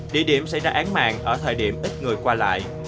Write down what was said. địa điểm xảy ra án mạng ở thời điểm ít người qua lại